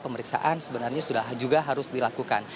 pemeriksaan sebenarnya juga harus dilakukan